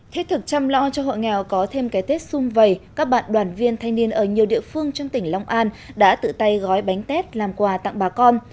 thế thực chăm lo cho hội nghèo có thêm cái tết xung vầy các bạn đoàn viên thanh niên ở nhiều địa phương trong tỉnh long an đã tự tay gói bánh tết làm quà tặng bà con